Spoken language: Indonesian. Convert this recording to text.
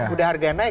udah harganya naik